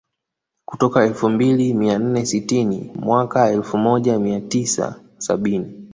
kutoka elfu mbili mia nne sitini mwaka elfu moja mia tisa sabini